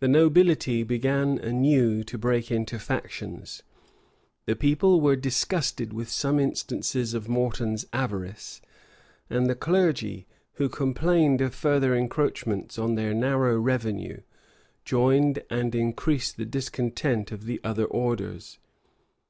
The nobility began anew to break into factions; the people were disgusted with some instances of Morton's avarice; and the clergy, who complained of further encroachments on their narrow revenue, joined and increased the discontent of the other orders.